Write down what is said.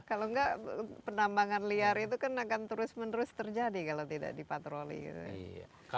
kalau enggak penambangan liar itu kan akan terus menerus terjadi kalau tidak dipatroli gitu